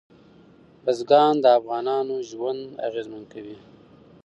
بزګان د افغانانو ژوند اغېزمن کوي.